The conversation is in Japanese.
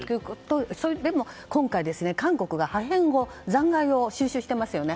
でも今回、韓国が破片の残骸を収集していますよね。